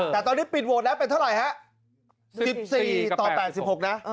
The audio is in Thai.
แต่ตอนนี้ปิดโหวตแล้วเป็นเท่าไหร่ฮะ๑๔ต่อ๘๖นะ